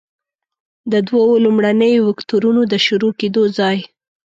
د دوو لومړنیو وکتورونو د شروع کیدو ځای.